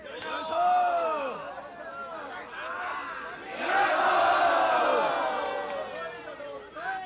よいしょ！